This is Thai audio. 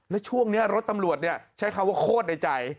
แล้วช่วงนี้รถตำรวจใช้คำว่าโคตรในใจ